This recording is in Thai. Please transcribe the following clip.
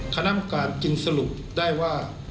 คณะปการณ์จินสรุปได้ว่า